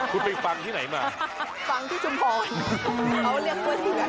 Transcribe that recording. คุณไปฟังที่ไหนมาฟังที่ชุมภรเขาเรียกตัวที่กัน